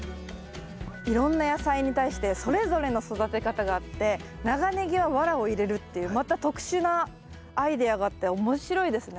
いろんな野菜に対してそれぞれの育て方があって長ネギはワラを入れるっていうまた特殊なアイデアがあって面白いですね。